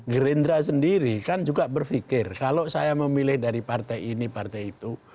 gerindra sendiri kan juga berpikir kalau saya memilih dari partai ini partai itu